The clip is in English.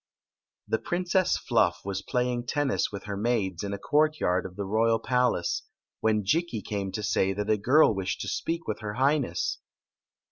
The Princess Fluff was playing tennis with her maids in a courtyard of the royal palace, when Jikki came to say that a girl wished to speak with her Highness.